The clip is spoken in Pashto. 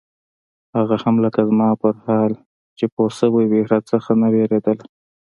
هغه هم لکه زما پر حال چې پوهه سوې وي راڅخه نه وېرېدله.